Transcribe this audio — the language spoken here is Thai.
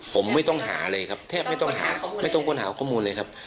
ผมไม่ต้องหาเลยครับแทบไม่ต้องหาข้อมูลเลยครับ